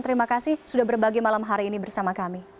terima kasih sudah berbagi malam hari ini bersama kami